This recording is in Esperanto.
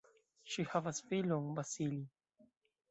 Ŝi havas filon "Vasilij".